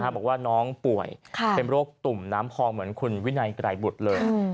บอกว่าน้องป่วยเป็นโรคตุ่มน้ำพองเหมือนคุณวินัยไกรบุตรเลย